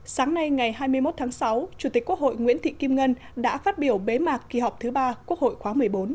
sáng nay ngày hai mươi một tháng sáu chủ tịch quốc hội nguyễn thị kim ngân đã phát biểu bế mạc kỳ họp thứ ba quốc hội khóa một mươi bốn